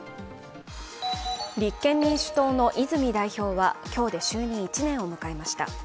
立憲民主党の泉代表は今日で就任１年を迎えました。